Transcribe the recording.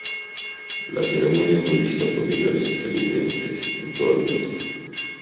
La ceremonia fue vista por millones de televidentes en todo el mundo.